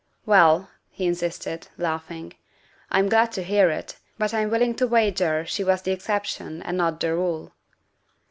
" Well," he insisted, laughing, "I'm glad to hear it, but I'm willing to wager she was the exception and not the rule."